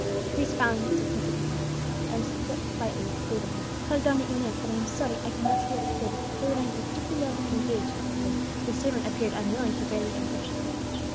The priest frowned significantly, and shook slightly his shaven head. "Tell Donna Inez that I am sorry that I cannot see her to day; say that I am particularly engaged," said the lady. The servant appeared unwilling to bear the ungracious message.